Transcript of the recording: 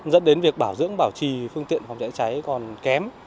dẫn đến việc bảo dưỡng bảo trì phương tiện phòng cháy cháy còn kém